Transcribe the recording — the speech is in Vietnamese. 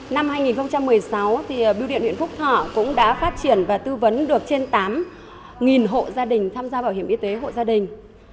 năm hai nghìn một mươi sáu bưu điện huyện phúc thọ cũng đã phát triển và tư vấn được trên tám hộ gia đình tham gia bảo hiểm y tế hộ gia đình